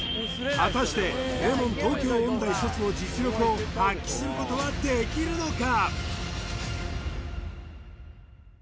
果たして名門東京音大卒の実力を発揮することはできるのか？